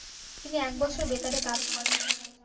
তিনি এক বছর বেতারে কাজ করেন।